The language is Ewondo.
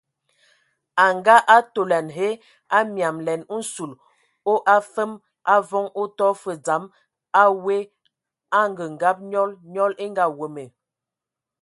A ngaatolɛn hə,a miamlɛn nsul o afəm avɔŋ o tɔ fə dzam a we angəngab nyɔl, nyɔl e ngaweme.